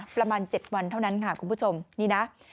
ประมาณ๗วันเท่านั้นค่ะคุณผู้ชมนี่นะ